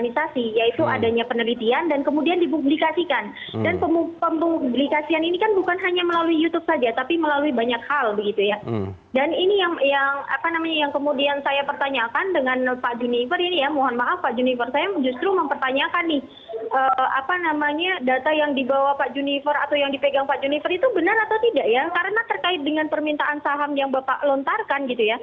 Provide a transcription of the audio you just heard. sampai jumpa kembali